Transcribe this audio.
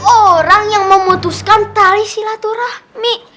orang yang memutuskan tali silaturahmi